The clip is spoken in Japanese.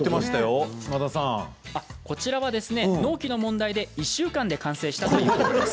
こちらは納期の問題で１週間で完成したそうです。